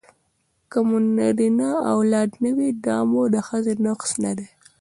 که مو نرینه اولاد نه وي دا مو د ښځې نقص نه دی